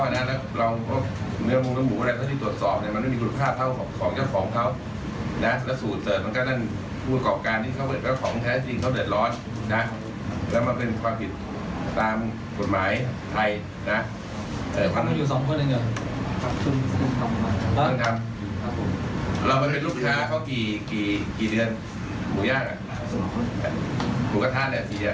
อนทำ